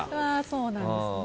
そうなんですね。